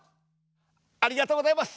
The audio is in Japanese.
ありがとうございます！